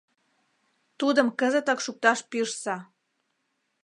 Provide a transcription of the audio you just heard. — Тудым кызытак шукташ пижса!